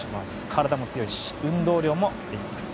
体も強いし運動量もあります。